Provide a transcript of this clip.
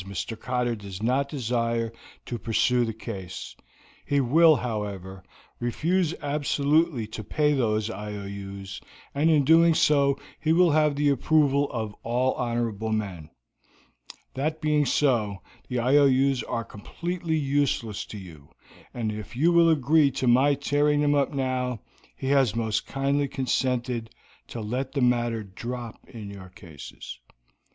Mr. Cotter does not desire to pursue the case; he will, however, refuse absolutely to pay those IOUs, and in doing so he will have the approval of all honorable men. That being so, the IOUs are absolutely useless to you, and if you will agree to my tearing them up now, he has most kindly consented to let the matter drop in your cases."